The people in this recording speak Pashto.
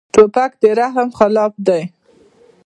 توپک د رحم خلاف دی.